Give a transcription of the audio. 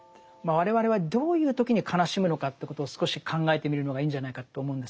我々はどういう時に悲しむのかということを少し考えてみるのがいいんじゃないかと思うんですよね。